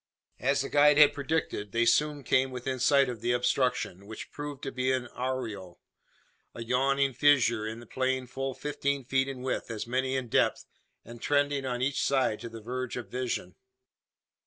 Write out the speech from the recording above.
As the guide had predicted, they soon came within sight of the obstruction; which proved to be an arroyo a yawning fissure in the plain full fifteen feet in width, as many in depth, and trending on each side to the verge of vision.